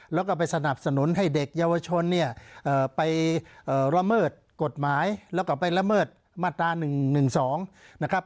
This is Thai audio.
แล้วก็ไปสนับสนุนให้เด็กเยาวชนเนี่ยไปละเมิดกฎหมายแล้วก็ไปละเมิดมาตรา๑๑๒นะครับ